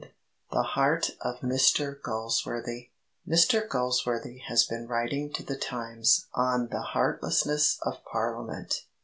XV THE HEART OF MR GALSWORTHY Mr Galsworthy has been writing to the Times on "the heartlessness of Parliament."